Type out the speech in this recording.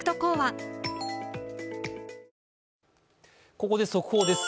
ここで速報です。